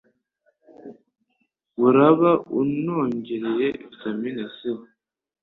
uraba unongereye vitamin C.